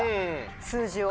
数字を。